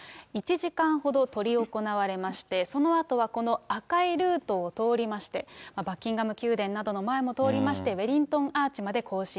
１時間ほど執り行われまして、そのあとは、この赤いルートを通りまして、バッキンガム宮殿などの前も通りまして、ウェリントン・アーチまで行進。